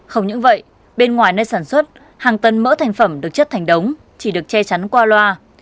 không những vậy bên ngoài nơi sản xuất hàng tấn mỡ thành phẩm được chất thành đống chỉ được che chắn qua loa